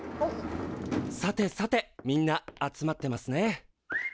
さてさてみんな集まってますね。